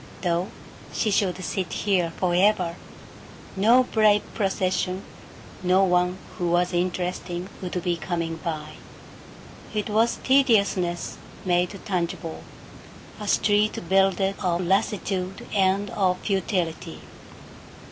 Though she should sit here forever, no brave procession, no one who was interesting, would be coming by. It was tediousness made tangible, a street builded of lassitude and of futility.